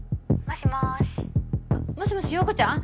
あもしもし葉子ちゃん